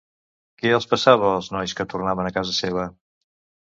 Què els passava als nois que tornaven a casa seva?